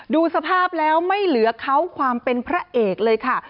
ดูสภาพแล้วไม่เหลือเขาความเป็นพระเอกเลยค่ะ